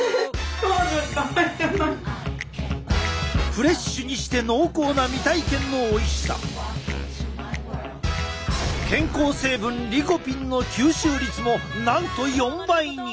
フレッシュにして濃厚な健康成分リコピンの吸収率もなんと４倍に！